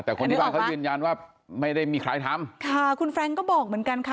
แต่คนที่บ้านเขายืนยันว่าไม่ได้มีใครทำค่ะคุณแร้งก็บอกเหมือนกันค่ะ